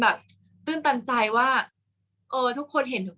กากตัวทำอะไรบ้างอยู่ตรงนี้คนเดียว